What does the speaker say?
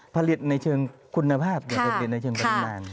ผลิตในเชิงคุณภาพอย่างเชิงปริมาณ